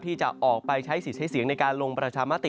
ที่จะออกไปใช้สิทธิ์ใช้เสียงในการลงประชามติ